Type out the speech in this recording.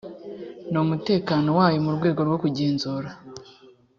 n umutekano wayo mu rwego rwo kugenzura